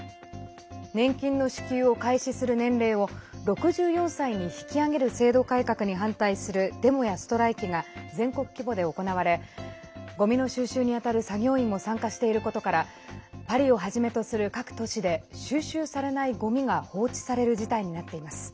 年金の支給を開始する年齢を６４歳に引き上げる制度改革に反対するデモやストライキが全国規模で行われごみの収集にあたる作業員も参加していることからパリをはじめとする各都市で収集されないごみが放置される事態になっています。